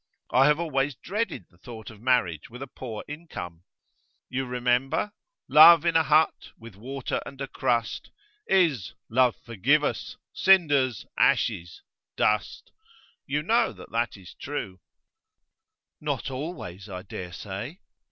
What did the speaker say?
I have always dreaded the thought of marriage with a poor income. You remember? Love in a hut, with water and a crust, Is Love forgive us! cinders, ashes, dust. You know that is true.' 'Not always, I dare say.